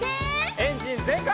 エンジンぜんかい！